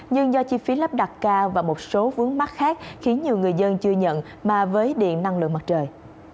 nhưng do chi phí lắp đặt cao và một số vướng mắt khác khiến nhiều người dân chưa nhận mà với điện năng lượng mặt trời